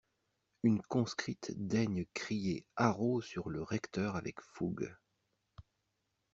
Une conscrite daigne crier haro sur le recteur avec fougue.